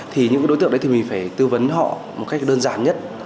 thì những đối tượng đấy thì mình phải tư vấn họ một cách đơn giản nhất